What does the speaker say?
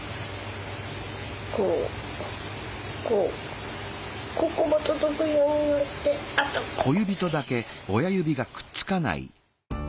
こうこうここも届くようになってあとここだけです。